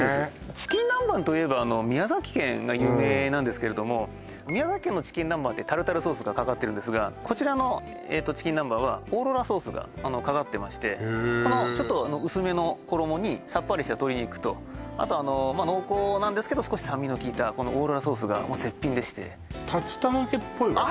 チキン南蛮といえば宮崎県が有名なんですけれども宮崎県のチキン南蛮ってタルタルソースがかかってるんですがこちらのチキンナンバンはオーロラソースがかかってましてちょっと薄めの衣にさっぱりした鶏肉と濃厚なんですけど少し酸味のきいたオーロラソースが絶品でして竜田揚げっぽいわね